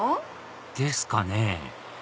ですかね